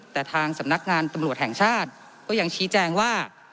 แต่ทางสำนักงานตำรวจแห่งชาติก็ยังชี้แจงว่า